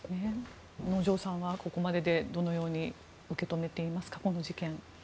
能條さんはここまででどのように受け止めていますかこの事件。